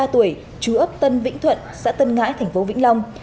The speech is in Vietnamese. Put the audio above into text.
hai mươi ba tuổi chú ấp tân vĩnh thuận xã tân ngãi tp vĩnh long